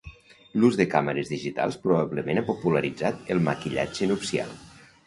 L'ús de càmeres digitals probablement ha popularitzat el maquillatge nupcial.